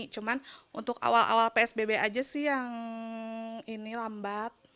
cuma untuk awal awal psbb aja sih yang ini lambat